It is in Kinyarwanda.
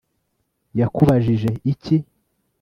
yakubajije iki